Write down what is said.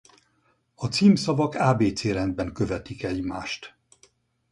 A címszavak ábécérendben követik egymást.